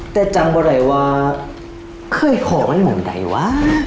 แต่จำบ่รัยว่าเคยห่อมันเหมือนไหนวะ